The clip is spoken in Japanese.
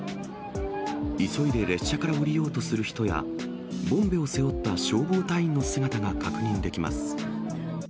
急いで列車から降りようとする人や、ボンベを背負った消防隊員の姿が確認できます。